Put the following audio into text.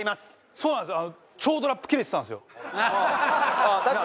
そうなんですよ。